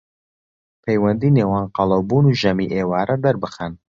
پەیوەندی نێوان قەڵەوبوون و ژەمی ئێوارە دەربخەن